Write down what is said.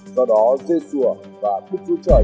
do đó dây xua và đức vua trời